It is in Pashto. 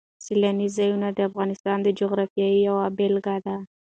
سیلاني ځایونه د افغانستان د جغرافیې یوه بېلګه ده.